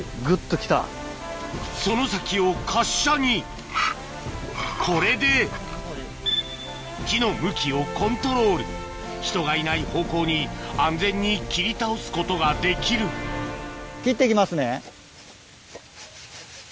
その先を滑車にこれで木の向きをコントロール人がいない方向に安全に切り倒すことができるあっ。